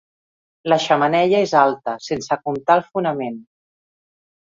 La xemeneia és alta, sense comptar el fonament.